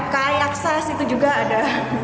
kayak akses itu juga ada